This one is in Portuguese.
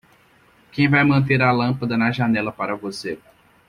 Quem vai manter a lâmpada na janela para você.